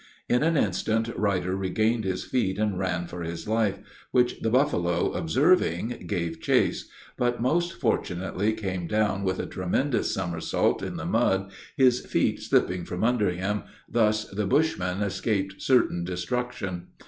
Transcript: In an instant, Ruyter regained his feet and ran for his life, which the buffalo observing, gave chase, but most fortunately came down, with a tremendous somersault, in the mud, his feet slipping from under him; thus the bushman escaped certain destruction.